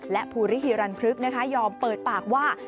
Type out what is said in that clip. และภูริฮิรันพฤกษ์ยอมเปิดปากว่า